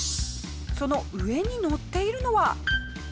その上に載っているのは。